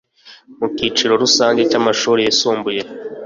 Mu kiciro rusange cy'amashuri yisumbuye,